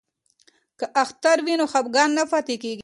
که اختر وي نو خفګان نه پاتیږي.